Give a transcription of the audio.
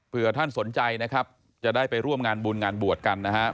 เพื่อท่านสนใจนะครับจะได้ไปร่วมงานบุญงานบวชกันนะครับ